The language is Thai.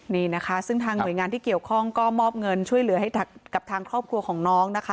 นี่นะคะซึ่งทางหน่วยงานที่เกี่ยวข้องก็มอบเงินช่วยเหลือให้กับทางครอบครัวของน้องนะคะ